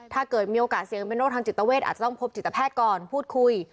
ถ้าเกิดมีโอกาสเสี่ยงเป็นโรคทางจิตเวทอาจจะต้องพบจิตแพทย์ก่อนพูดคุย